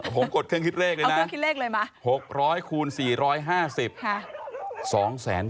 ผมกดเครื่องคิดเลขเลยนะมาเอาเครื่องคิดเลขเลย